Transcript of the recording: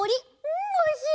んおいしい！